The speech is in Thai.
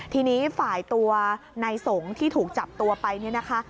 ทีนี้ฝ่ายตัวในสงฆ์ที่ถูกจับตัวไปเนี่ยนะคะ